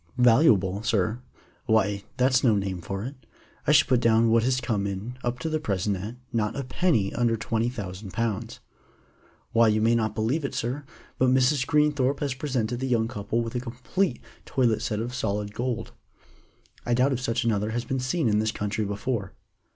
"Valuable, sir? Why, that's no name for it. I should put down what has come in up to the present at, not a penny under twenty thousand pounds. Why, you may not believe it, sir, but Mrs. Greenthorpe has presented the young couple with a complete toilet set of solid gold. I doubt if such another has been seen in this country before."